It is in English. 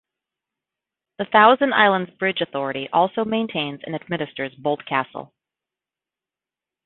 The Thousand Islands Bridge Authority also maintains and administers Boldt Castle.